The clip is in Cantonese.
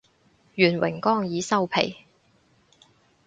願榮光已收皮